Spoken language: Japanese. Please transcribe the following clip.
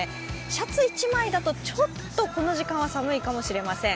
シャツ１枚だと、ちょっとこの時間は寒いかもしれません。